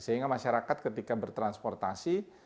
sehingga masyarakat ketika bertransportasi